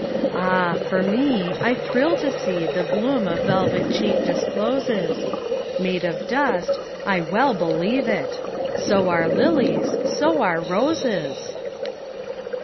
Ah, for me, I thrill to seeThe bloom a velvet cheek discloses, Made of dust—I well believe it! So are lilies, so are roses!